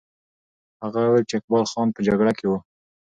هغه وویل چې اقبال خان په جګړه کې وو.